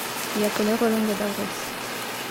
Lia kolero longe daŭris.